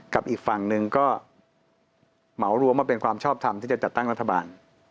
อีกฝั่งหนึ่งก็เหมารวมว่าเป็นความชอบทำที่จะจัดตั้งรัฐบาล